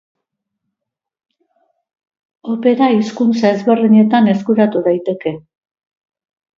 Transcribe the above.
Opera hizkuntza ezberdinetan eskuratu daiteke.